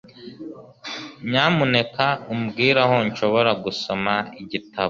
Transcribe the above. Nyamuneka umbwire aho nshobora gusoma igitabo.